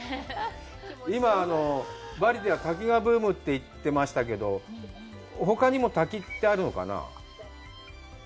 今バリでは滝がブームって言ってましたけど、ほかにも滝ってあるのかな？